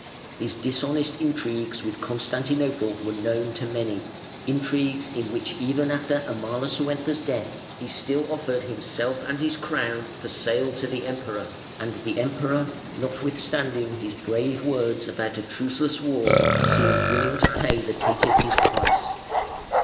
His dishonest intrigues with Constantinople were known to many, intrigues in which even after Amalasuentha's death he still offered himself and his crown for sale to the Emperor, and the Emperor, notwithstanding his brave words about a truceless war, seemed willing to pay the caitiff his price.